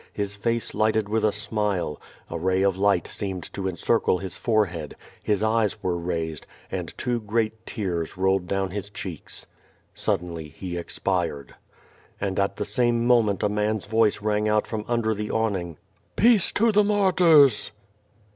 His face lighted with a smile, a ray of light seemed to encircle his fore head, his eyes were raised^ and two great tears rolled do^ni his cheeks. Suddenly he expired. And at the same moment a man's voice rang out from under the awning: *Teace to the martyrs.